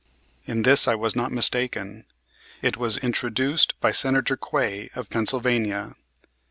In this I was not mistaken. It was introduced by Senator Quay, of Pennsylvania.